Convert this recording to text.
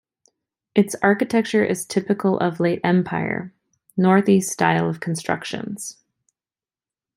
Its architecture is typical of late Empire, Northeast style of constructions.